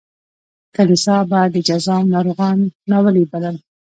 کلیسا به د جذام ناروغان ناولي بلل.